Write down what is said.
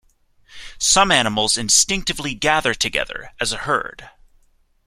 Some animals instinctively gather together as a herd.